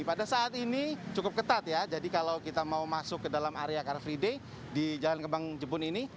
pada saat ini cukup ketat ya jadi kalau kita mau masuk ke dalam area car free day di jalan kebang jepun ini